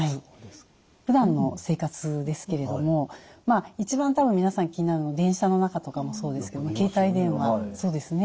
ふだんの生活ですけれども一番多分皆さん気になるのは電車の中とかもそうですけど携帯電話。